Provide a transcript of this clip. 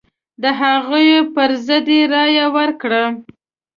د هغوی پر ضد یې رايه ورکړه.